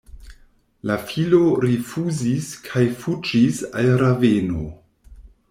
La filo rifuzis kaj fuĝis al Raveno.